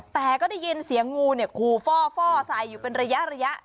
แต่ก็ได้ยินเสียงงูเนี่ยขู่ฟ่อใส่อยู่เป็นระยะ